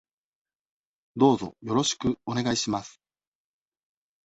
どうぞよろしくお願いします。